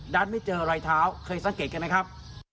ไม่เจอรอยเท้าเคยสังเกตกันไหมครับ